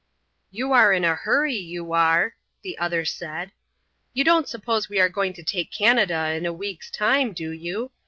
"You are in a hurry, you are," the other said. "You don't suppose we are going to take Canada in a week's time, do you.